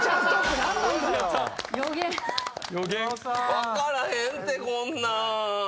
分からへんってこんなーん。